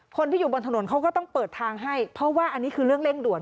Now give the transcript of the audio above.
คนที่อยู่บนถนนเขาก็ต้องเปิดทางให้เพราะว่าอันนี้คือเรื่องเร่งด่วน